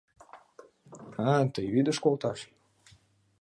— А-а, тый вӱдыш колташ!